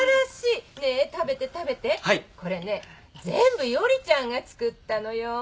これね全部依ちゃんが作ったのよ。